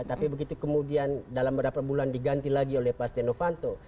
tapi begitu kemudian dalam beberapa bulan diganti lagi oleh pak steno vanto